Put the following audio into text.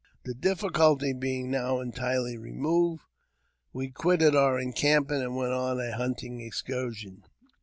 The difficulty being now entirely removed, we quitted our encampment, and went on a hunting excursion.